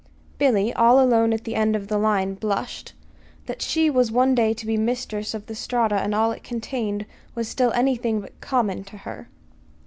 Billy, all alone at her end of the line, blushed. That she was one day to be mistress of the Strata and all it contained was still anything but "common" to her.